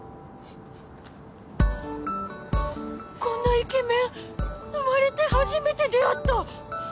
こんなイケメン生まれて初めて出会った！